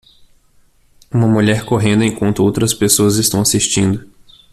Uma mulher correndo enquanto outras pessoas estão assistindo.